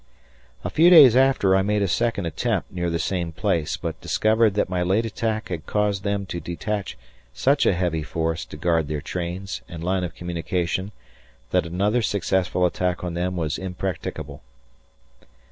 A few days after I made a second attempt near the same place, but discovered that my late attack had caused them to detach such a heavy force to guard their trains and line of communication that another successful attack on them was impracticable.